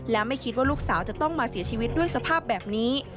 และไม่คิดว่าลูกสาวจะต้องมาเสียชีวิตด้วยสภาพแบบนี้